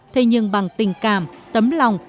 thế nhưng bằng tình cảm tấm lòng